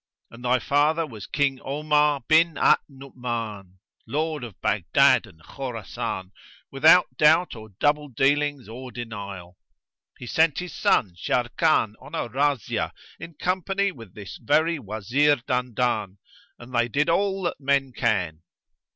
And thy father was King Omar bin al Nu'uman, Lord of Baghdad and Khorasan, without doubt or double dealing or denial. He sent his son Sharrkan on a razzia in company with this very Wazir Dandan; and they did all that men can.